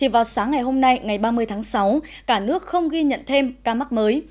vào sáng ngày hôm nay ngày ba mươi tháng sáu cả nước không ghi nhận thêm ca mắc mới